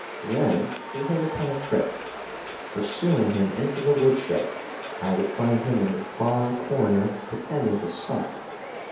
Then he hit upon a trick. Pursuing him into the woodshed, I would find him in a far corner, pretending to sulk.